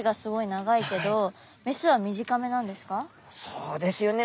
そうですよね。